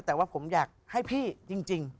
แต่ว่าผมอยากให้พี่จริง